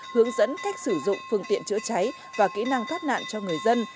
hướng dẫn cách sử dụng phương tiện chữa cháy và kỹ năng thoát nạn cho người dân